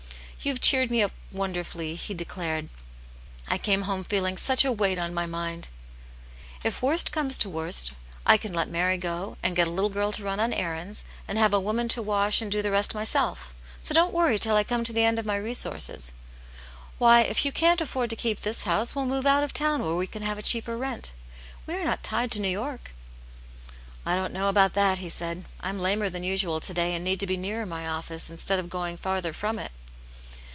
YcuWq cheered me up wonderfully," he de tt Aunt yujie's Hero. 1 15 clared. "I came home feeling such a weight on my mind!" " If worst comes to worst, I can let Mary go and get a little girl to run on errands, and have a woman to wash, and do the rest myself. So don*t worry till I come to the end of my resources. Why, if you can't afford to keep this house, we'll move out of town where we can have a cheaper rent. We are not tied to New York." " I don't know about that," he said. " I'm lamer than usual to day and need to be nearer my office, instead of going farther from it."